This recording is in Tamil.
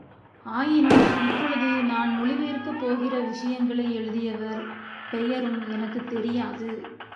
ஆயினும் இப்பொழுது நான் மொழி பெயர்க்கப் போகிற விஷயங்களைஎழுதியவர் பெயரும் எனக்குத் தெரியாது.